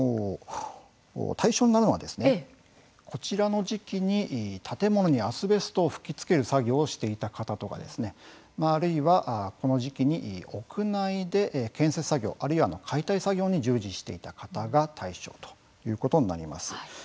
対象になるのは、こちらの時期に建物にアスベストを吹きつける作業をしていた方とかあるいは、この時期に屋内で建設作業、あるいは解体作業に従事していた方が対象ということになります。